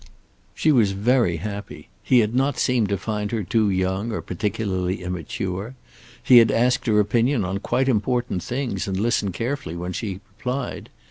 She was very happy. He had not seemed to find her too young or particularly immature. He had asked her opinion on quite important things, and listened carefully when she replied.